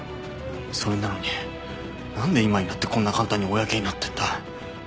それなのに何で今になってこんな簡単に公になってんだ？